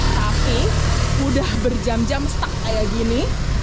tapi udah berjam jam stuck kayak gini